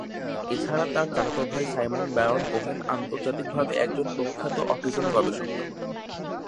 এছাড়া তার চাচাতো ভাই সাইমন ব্যারন কোহেন আন্তর্জাতিকভাবে একজন প্রখ্যাত অটিজম গবেষক।